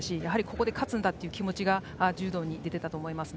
ここで勝つんだという気持ちが柔道に出ていたと思います。